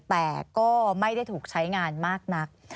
แต่ก็ไม่ได้ถูกใช้งานมากนัก